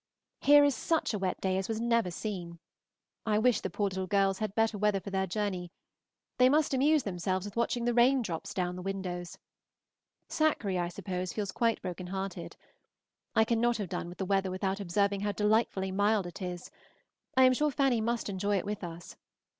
Here is such a wet day as never was seen. I wish the poor little girls had better weather for their journey; they must amuse themselves with watching the raindrops down the windows. Sackree, I suppose, feels quite broken hearted. I cannot have done with the weather without observing how delightfully mild it is; I am sure Fanny must enjoy it with us.